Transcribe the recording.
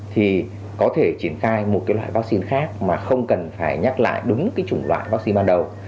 thì có thể triển khai một cái loại vaccine khác mà không cần phải nhắc lại đúng cái chủng loại vaccine ban đầu